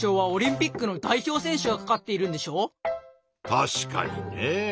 確かにねぇ。